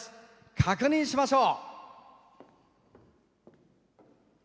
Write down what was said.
確認しましょう。